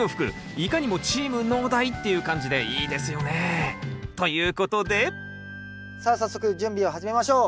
いかにもチーム農大っていう感じでいいですよね。ということでさあ早速準備を始めましょう。